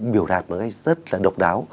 biểu đạt một cách rất là độc đáo